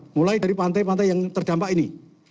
mulai dari pantai pantai yang terdampak ini